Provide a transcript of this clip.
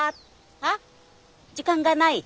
あ時間がない。